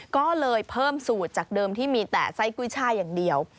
ก็เลยเพิ่มสูตรจากเดิมที่มีแต่ไส้กุ้ยช่ายอย่างเดียว